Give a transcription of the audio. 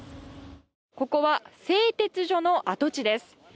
ここは製鉄所の跡地です。